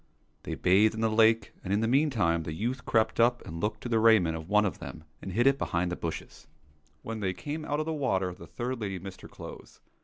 They bathed in the lake, and in the meantime the youth crept up and took the raiment of one of them and hid it behind the bushes. When they came out of the water the third lady missed her clothes.